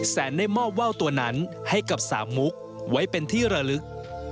แสนได้มอบว่าวตัวนั้นให้กับสามมุกไว้เป็นที่ระลึก